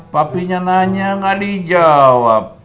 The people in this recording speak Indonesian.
papinya nanya gak dijawab